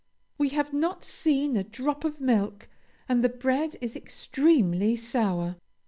We have not seen a drop of milk, and the bread is extremely sour.